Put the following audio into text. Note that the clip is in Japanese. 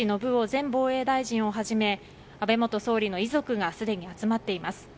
前防衛大臣をはじめ安倍元総理の遺族がすでに集まっています。